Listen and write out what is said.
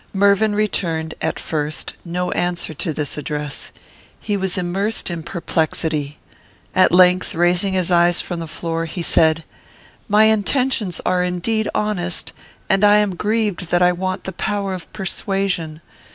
Mervyn returned, at first, no answer to this address. He was immersed in perplexity. At length, raising his eyes from the floor, he said, "My intentions are indeed honest, and I am grieved that I want the power of persuasion.